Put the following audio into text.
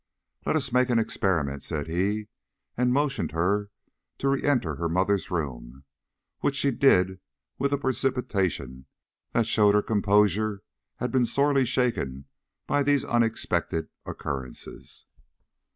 "Let us make an experiment," said he, and motioned her to re enter her mother's room, which she did with a precipitation that showed her composure had been sorely shaken by these unexpected occurrences.